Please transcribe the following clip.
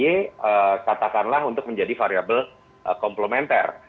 mas ahy katakanlah untuk menjadi variable komplementer